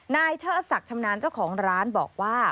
เชิดศักดิ์ชำนาญเจ้าของร้านบอกว่า